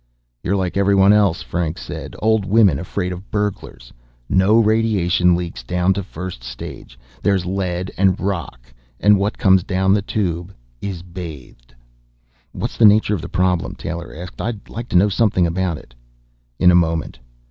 "You're like everyone else," Franks said. "Old women afraid of burglars. No radiation leaks down to first stage. There's lead and rock, and what comes down the Tube is bathed." "What's the nature of the problem?" Taylor asked. "I'd like to know something about it." "In a moment."